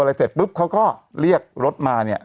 เสร็จปุ๊บเขาก็เรียกรถมาเนี่ย